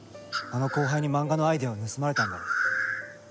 あの後輩に漫画のアイデアを盗まれたんだろう？